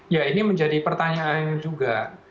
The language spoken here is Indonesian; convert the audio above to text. ya ini menjadi pertanyaan juga